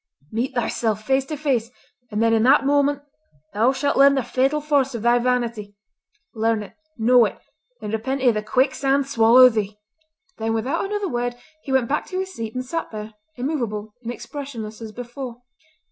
Meet thyself face to face, and then in that moment thou shalt learn the fatal force of thy vanity. Learn it, know it, and repent ere the quicksand swallow thee!" Then without another word he went back to his seat and sat there immovable and expressionless as before.